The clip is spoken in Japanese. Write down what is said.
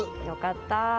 よかった。